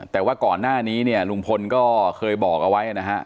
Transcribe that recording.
แต่ว่าก่อนหน้านี้เนี่ยลุงพลก็เคยบอกเอาไว้นะฮะ